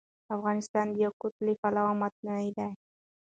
افغانستان د یاقوت له پلوه متنوع دی.